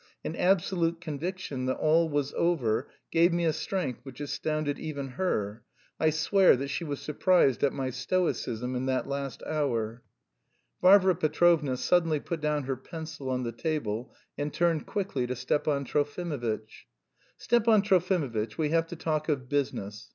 An absolute conviction that all was over gave me a strength which astounded even her. I swear that she was surprised at my stoicism in that last hour." Varvara Petrovna suddenly put down her pencil on the table and turned quickly to Stepan Trofimovitch. "Stepan Trofimovitch, we have to talk of business.